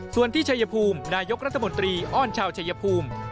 ส่วนที่ชัยภูมินายกรัฐมนตรีอ้อนชาวชายภูมิ